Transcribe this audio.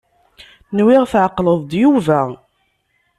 Nwiɣ tɛeqleḍ-d Yuba.